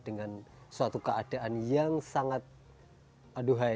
dengan suatu keadaan yang sangat aduhai